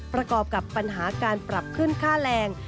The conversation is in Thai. ประกอบกับปัญหาการปรับขึ้นค่าแรง